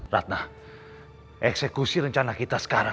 ratna eksekusi rencana kita sekarang